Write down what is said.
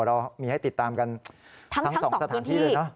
เรามีให้ติดตามกันทั้งสองสถานที่เลยเนอะ